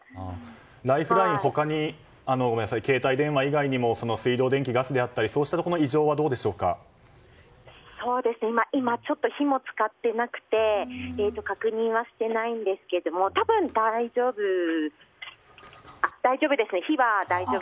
ライフライン、他に携帯電話以外にも水道・電気・ガスであったりそうしたところの異常は今、火も使ってなくて確認はしてないんですけれども大丈夫です。